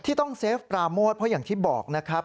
ที่ต้องเซฟปราโมทเพราะอย่างที่บอกนะครับ